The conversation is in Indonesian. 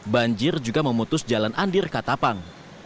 banjir juga memutus jalan andir katapang